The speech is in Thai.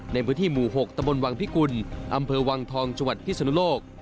ในพื้นที่หมู่๖ตะบนวังพิกุลอำเภอวังทองจังหวัดพิศนุโลก